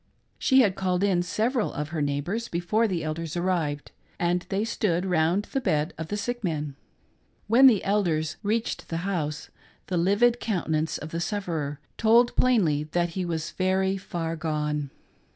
She had called in several of her neighbors before the elders arrived, and they stood round the bed of the sick man. When the elders reached the house, the livid countenance of the sufferer told plainly that he was* very far gone.